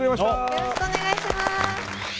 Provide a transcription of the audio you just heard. よろしくお願いします。